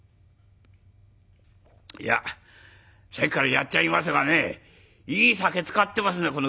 「いやさっきからやっちゃいますがねいい酒使ってますね